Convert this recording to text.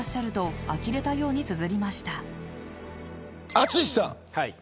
淳さん